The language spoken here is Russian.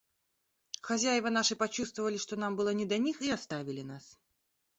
Хозяева наши почувствовали, что нам было не до них, и оставили нас.